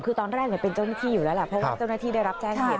คือตอนแรกเป็นเจ้าหน้าที่อยู่แล้วแหละเพราะว่าเจ้าหน้าที่ได้รับแจ้งเหตุ